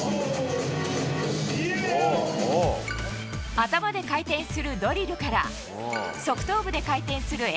頭で回転するドリルから側頭部で回転するＡ